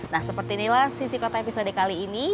nah seperti inilah sisi kota episode kali ini